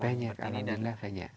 banyak alhamdulillah banyak